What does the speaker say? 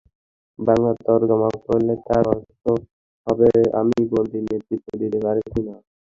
বাংলা তরজমা করলে তার অর্থ হবে—আমি বন্দী, নেতৃত্ব দিতে পারছি না।